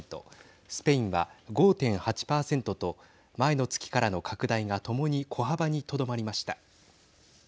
スペインは５．８％と前の月からの拡大がともに小幅にとどまりました。